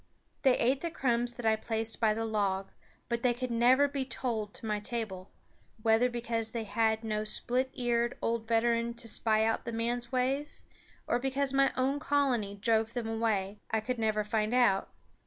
They ate the crumbs that I placed by the log; but they could never be tolled to my table, whether because they had no split eared old veteran to spy out the man's ways, or because my own colony drove them away, I could never find out.